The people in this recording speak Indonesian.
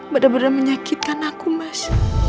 bener bener menyakitkan aku mas